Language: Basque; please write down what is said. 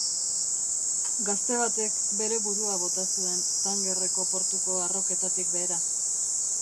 Gazte batek bere burua bota zuen Tangerreko portuko arroketatik behera.